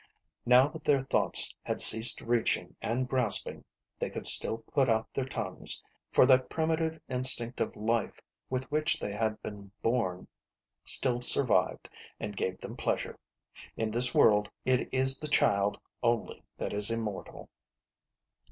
Now that their thoughts had ceased reaching and grasping, they could still put out their tongues, for that primitive instinct of life with which they had been born still survived and gave them pleasure. In this world it is the child only that is immortal.